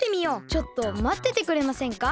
ちょっとまっててくれませんか？